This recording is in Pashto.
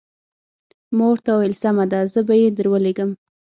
ما ورته وویل سمه ده زه به یې درولېږم.